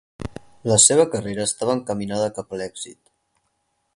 La seva carrera estava encaminada cap a l'èxit.